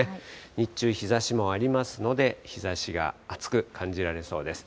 日中日ざしもありますので、日ざしが暑く感じられそうです。